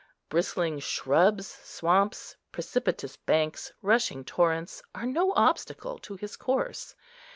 Bristling shrubs, swamps, precipitous banks, rushing torrents, are no obstacle to his course.